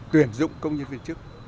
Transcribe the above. tuyển dụng công nhân viên chức